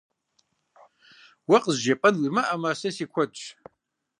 Уэ къызжепӀэн уимыӀэми, сэ си куэдщ.